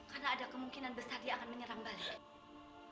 karena ada kemungkinan besar dia akan menyerang balik